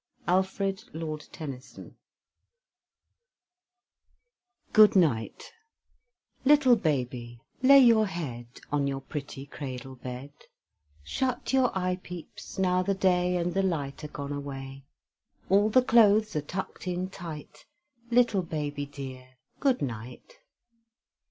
ALFRED, LORD TENNYSON GOOD NIGHT Little baby, lay your head On your pretty cradle bed; Shut your eye peeps, now the day And the light are gone away; All the clothes are tucked in tight; Little baby dear, good night.